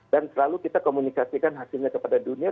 dan selalu kita komunikasikan hasilnya kepada dunia